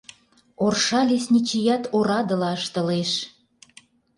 Орша лесничият орадыла ыштылеш.